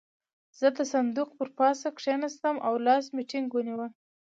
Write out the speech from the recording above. زه د صندوق پر پاسه کېناستم او لاس مې ټينګ ونيو.